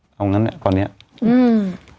เอาอย่างนั้นเนี่ยตอนนี้